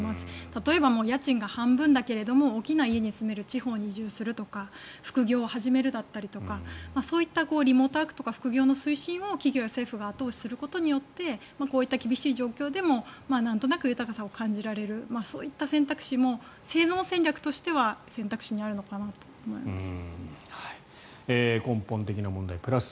例えば、家賃が半分だけども大きな家に住める地方に移住するとか副業を始めるだったりとかそういうリモートワークとか起業の推進を企業や政府が後押しすることでこういった厳しい状況でもなんとなく豊かさを感じられる、そういった選択肢も生存戦略としては皆さんにご質問いただきました。